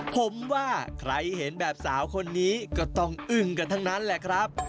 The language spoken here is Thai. ผมว่าใครเห็นแบบสาวคนนี้ก็ต้องอึ้งกันทั้งนั้นแหละครับ